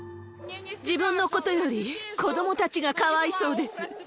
自分のことより、子どもたちがかわいそうです。